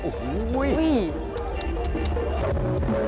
โอ้โห